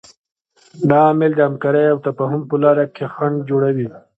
دا عامل د همکارۍ او تفاهم په لاره کې خنډ جوړوي.